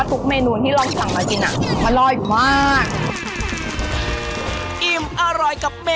ยำ๓ไข่